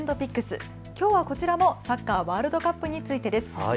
きょうはこちらもサッカーワールドカップについてです。